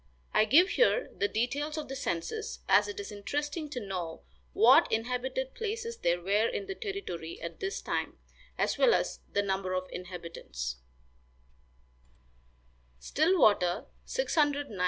I give here the details of the census, as it is interesting to know what inhabited places there were in the territory at this time, as well as the number of inhabitants: Total Inhabitants.